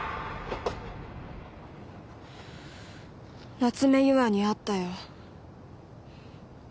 夏目ゆあに会ったよ。